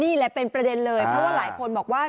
นี่แหละเป็นประเด็นเลยเพราะว่าหลายคนบอกว่า